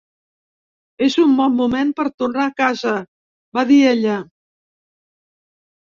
"És un bon moment per tornar a casa", va dir ella.